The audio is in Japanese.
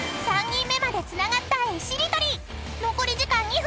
［３人目までつながった絵しりとり］